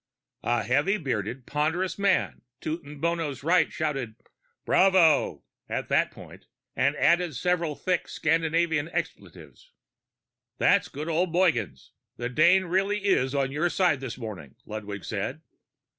A heavy bearded, ponderous man to Nbono's right shouted "Bravo!" at that point, and added several thick Scandinavian expletives. "That's good old Mogens. The Dane really is on your side this morning," Ludwig said.